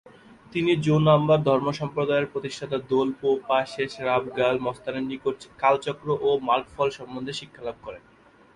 তিনি জো-নম্বর ধর্মসম্প্রদায়ের প্রতিষ্ঠাতা দোল-পো-পা-শেস-রাব-র্গ্যাল-ম্ত্শানের নিকট কালচক্র ও মার্গফল সম্বন্ধে শিক্ষালাভ করেন।